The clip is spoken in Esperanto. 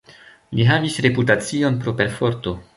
Li havis reputacion pro perforto.